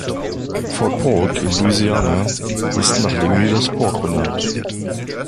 Fort Polk in Louisiana ist nach Leonidas Polk benannt.